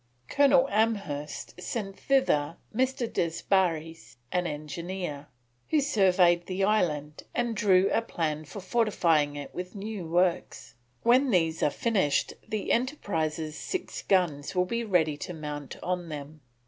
Colonel Amherst sent thither Mr. Desbarres, an engineer, who surveyed the island and drew a plan for fortifying it with new works: when these are finished the Enterprise's six guns will be ready to mount on them.